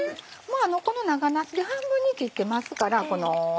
この長なすで半分に切ってますから。